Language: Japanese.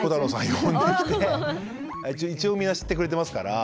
一応みんな知ってくれてますから。